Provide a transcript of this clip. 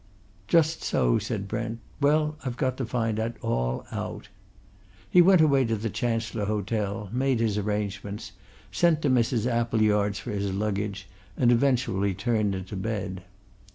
"Just so," said Brent. "Well, I've got to find it all out." He went away to the Chancellor Hotel, made his arrangements, sent to Mrs. Appleyard's for his luggage, and eventually turned into bed.